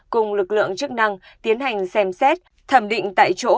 cùng lực lượng chức năng tiến hành xem xét thẩm định tại chỗ